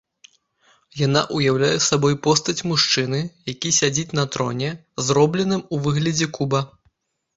Яна ўяўляе сабой постаць мужчыны, які сядзіць на троне, зробленым у выглядзе куба.